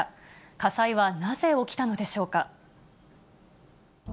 火災はなぜ起きたのでしょうか。